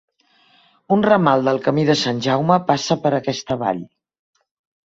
Un ramal del Camí de Sant Jaume passa per aquesta Vall.